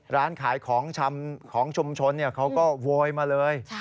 ร้านขายของชำของชุมชนเขาก็โวยมาเลย